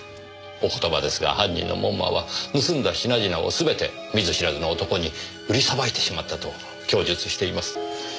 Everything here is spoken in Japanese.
お言葉ですが犯人の門馬は盗んだ品々を全て見ず知らずの男に売りさばいてしまったと供述しています。